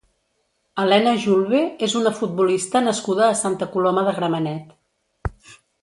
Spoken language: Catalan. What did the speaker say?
Elena Julve és una futbolista nascuda a Santa Coloma de Gramenet.